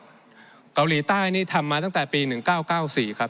ประเทศเกาหลีใต้นี่ทำมาตั้งแต่ปี๑๙๙๔